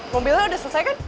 mobilnya udah selesai kan